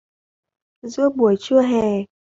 Giữa buổi trưa hè